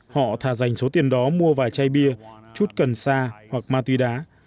họ thà dành số tiền đó mua vài chai bia chút cần sa hoặc ma tuy đá